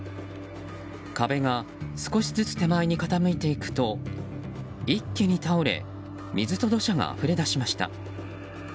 壁が少しずつ手前に傾いていくと一気に倒れ、水と土砂があふれ出しました。